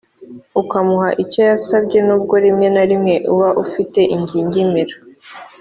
ukamuha icyo yasabye n’ubwo rimwe na rimwe uba ufite ingingimira